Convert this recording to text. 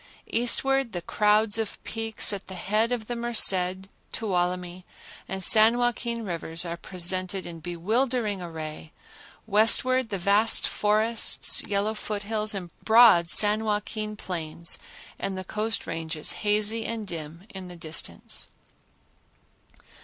Eastward the crowds of peaks at the head of the Merced, Tuolumne and San Joaquin Rivers are presented in bewildering array; westward, the vast forests, yellow foothills and the broad San Joaquin plains and the Coast Ranges, hazy and dim in the distance.